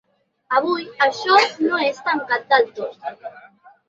Avui això no és tancat del tot.